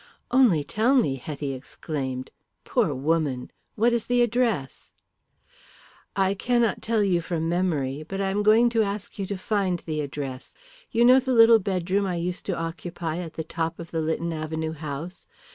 "Only tell me," Hetty exclaimed. "Poor woman! What is the address?" "I cannot tell you from memory. But I am going to ask you to find the address. You know the little bedroom I used to occupy at the top of the Lytton Avenue house.